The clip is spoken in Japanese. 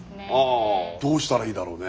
どうしたらいいだろうね。